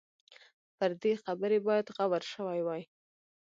پر دې خبرې باید غور شوی وای.